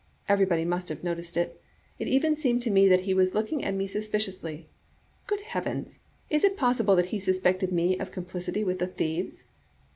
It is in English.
Everybody must have noticed it. It even seemed to me that he was looking at me suspi ciously. Good heavens! is it possible that he suspected me of complicity with the thieves?'